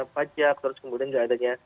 pajak terus kemudian juga adanya